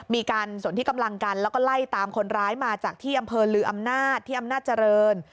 มีการสนที่กำลังกันแล้วก็ไล่ตามคนร้ายมาจากที่อำเภอลืออำนาจที่อำนาจเจริญ